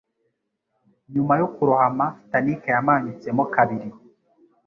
Nyuma yo kurohama, Titanic yamanyutsemo kabiri